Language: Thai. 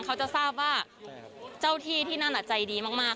เขาจะทราบว่าเจ้าที่ที่นั่นใจดีมาก